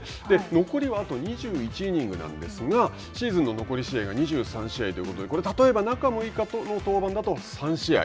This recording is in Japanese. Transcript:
残りあと２１イニングなんですが、シーズンの残り試合が２３試合ということで例えば、中６日の登板だと３試合。